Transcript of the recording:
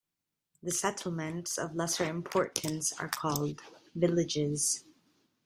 The settlements of lesser importance are called "villages".